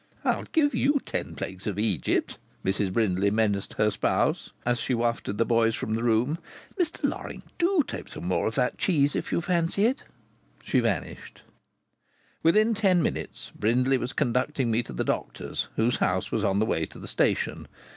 "I'll give you ten plagues of Egypt!" Mrs Brindley menaced her spouse, as she wafted the boys from the room. "Mr Loring, do take some more of that cheese if you fancy it." She vanished. Within ten minutes Brindley was conducting me to the doctor's, whose house was on the way to the station.